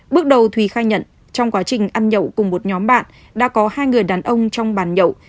bước đầu thùy khai nhận trong quá trình ăn nhậu cùng một nhóm bạn đã có hai người đàn ông trong bàn nhậu